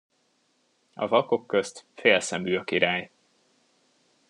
A vakok közt félszemű a király.